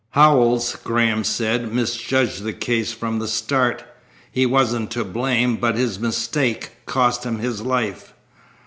"Howells," Graham said, "misjudged the case from the start. He wasn't to blame, but his mistake cost him his life."